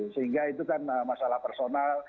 sehingga itu kan masalah personal